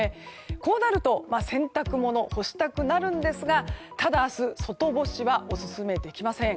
こうなると洗濯物干したくなるんですがただ、明日外干しはオススメできません。